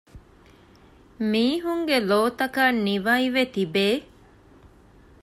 މީހުންގެ ލޯތަކަށް ނިވައިވެ ތިބޭ